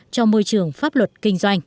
trong môi trường pháp luật kinh doanh